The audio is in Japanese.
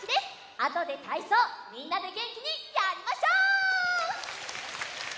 あとでたいそうみんなでげんきにやりましょう！